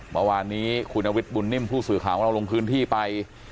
เมื่อวานนี้คุณนฤทธบุญนิ่มผู้สื่อข่าวของเราลงพื้นที่ไป